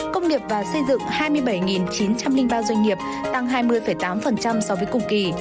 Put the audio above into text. công nghiệp và xây dựng hai mươi bảy chín trăm linh ba doanh nghiệp tăng hai mươi tám so với cùng kỳ